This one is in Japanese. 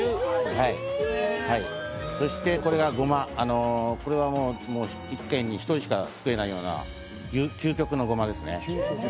そしてこれがごま、これがもう一回に一人しか作れないような究極のごまですね。